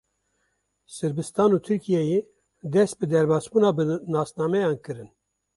Sirbistan û Tirkiyeyê dest bi derbasbûna bi nasnameyan kirin.